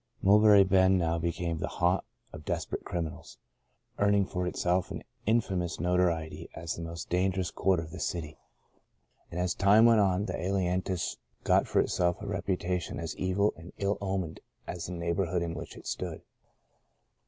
Mulberry Bend now became the haunt of desperate criminals, earning for itself an in famous notoriety as the most dangerous 68 Into a Far Country 69 quarter of the city. And as time went on the ailantus got for itself a reputation as evil and ill omened as the neighbourhood in which it stood.